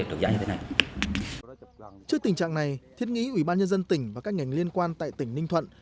trước tình trạng này thiết nghĩ ủy ban nhân dân tỉnh và các ngành liên quan tại tỉnh ninh thuận